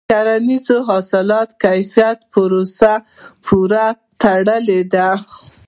د کرنیزو حاصلاتو کیفیت د پروسس پورې تړلی دی.